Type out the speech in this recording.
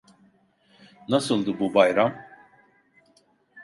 Nasıldı bu bayram?